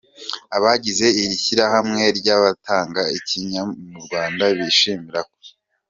Abagize iri shyirahamwe ry’abatanga ikinya mu Rwanda, bishimira ko.